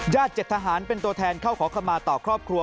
ญาติเจ็ดทหารเป็นตัวแทนเข้าขอคำมาต่อครอบครัว